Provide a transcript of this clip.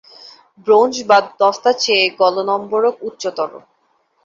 Bronze বা দস্তার চেয়ে এর গলনম্বরক উচ্চতর।